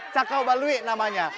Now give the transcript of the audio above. cakau balui namanya